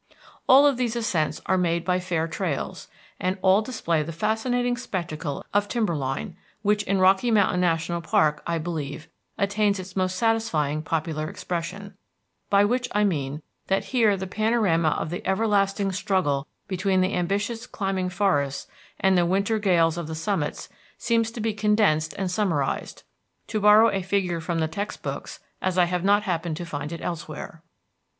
All of these ascents are made by fair trails, and all display the fascinating spectacle of timber line, which in Rocky Mountain National Park, I believe, attains its most satisfying popular expression; by which I mean that here the panorama of the everlasting struggle between the ambitious climbing forests and the winter gales of the summits seems to be condensed and summarized, to borrow a figure from the textbooks, as I have not happened to find it elsewhere.